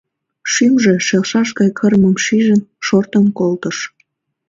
Шӱмжӧ шелшаш гай кырымым шижын, шортын колтыш.